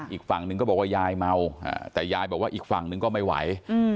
อีกฝั่งนึงก็บอกว่ายายเมาแต่ยายบอกว่าอีกฝั่งนึงก็ไม่ไหว